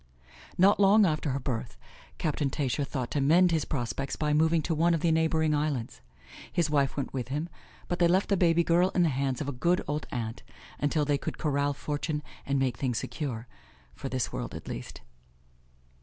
Not long after her birth, Captain Tascher thought to mend his prospects by moving to one of the neighboring islands. His wife went with him, but they left the baby girl in the hands of a good old aunt, until they could corral fortune and make things secure, for this world at least.